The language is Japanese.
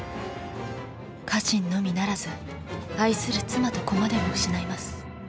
家臣のみならず愛する妻と子までも失います。